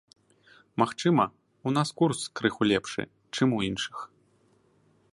Магчыма, у нас курс крыху лепшы, чым у іншых.